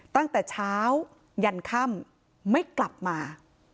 ตั้งแต่เช้ายันค่ำไม่กลับมา